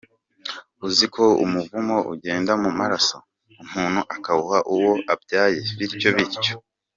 Uzi ko umuvumo ugenda mu maraso, umuntu akawuha uwo abyaye, bityo bityo.